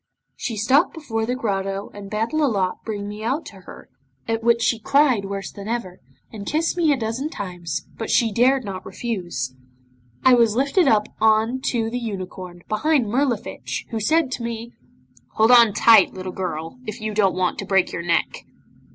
She stopped before the grotto and bade Lolotte bring me out to her, at which she cried worse than ever, and kissed me a dozen times, but she dared not refuse. I was lifted up on to the unicorn, behind Mirlifiche, who said to me '"Hold on tight, little girl, if you don't want to break your neck."